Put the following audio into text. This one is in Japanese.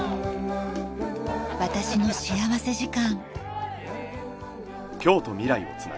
『私の幸福時間』。